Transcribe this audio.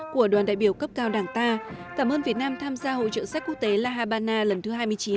của đoàn đại biểu cấp cao đảng ta cảm ơn việt nam tham gia hội trợ sách quốc tế la habana lần thứ hai mươi chín